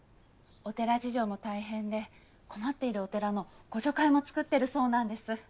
お寺事情も大変で困っているお寺の互助会もつくってるそうなんです。